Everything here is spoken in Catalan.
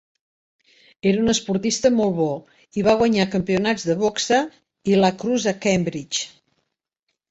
Era un esportista molt bo i va guanyar campionats de boxa i "lacrosse" a Cambridge.